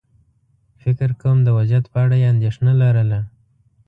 فکر کووم د وضعيت په اړه یې اندېښنه لرله.